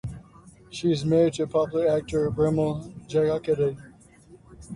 She is married to popular actor Bimal Jayakody.